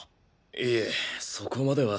いえそこまでは。